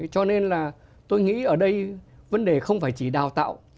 cho nên là tôi nghĩ ở đây vấn đề không phải chỉ đào tạo